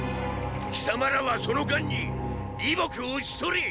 貴様らはその間に李牧を討ち取れ！